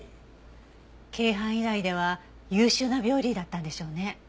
京阪医大では優秀な病理医だったんでしょうね。